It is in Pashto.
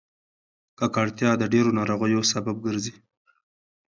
ککړتیا د ډېرو ناروغیو سبب ګرځي.